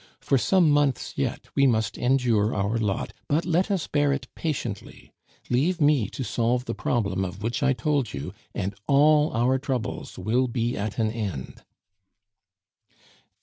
For some months yet we must endure our lot, but let us bear it patiently; leave me to solve the problem of which I told you, and all our troubles will be at an end."